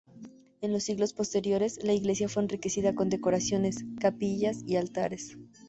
En los siglos posteriores, la iglesia fue enriquecida con decoraciones, capillas y altares.